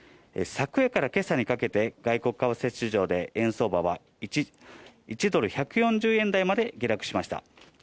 昨夜から今朝にかけて外国為替市場で円相場は一時１ドル＝１４０円台まで下落しました。